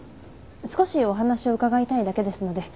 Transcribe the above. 少しお話を伺いたいだけですので。